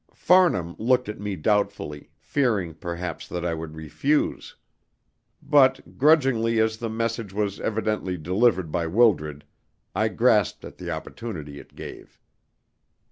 Farnham looked at me doubtfully, fearing perhaps that I would refuse. But, grudgingly as the message was evidently delivered by Wildred, I grasped at the opportunity it gave.